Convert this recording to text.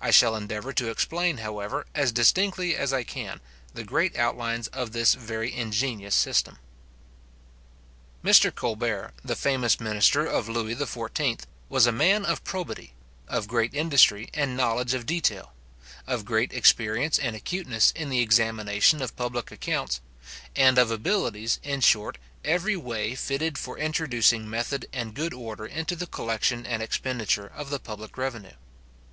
I shall endeavour to explain, however, as distinctly as I can, the great outlines of this very ingenious system. Mr. Colbert, the famous minister of Lewis XIV. was a man of probity, of great industry, and knowledge of detail; of great experience and acuteness in the examination of public accounts; and of abilities, in short, every way fitted for introducing method and good order into the collection and expenditure of the public revenue.